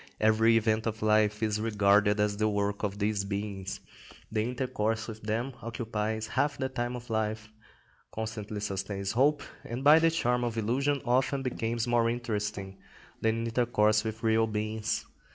Every event of life is regarded as the work of these beings; the intercourse with them occupies half the time of life, constantly sustains hope, and by the charm of illusion often becomes more interesting than intercourse with real beings.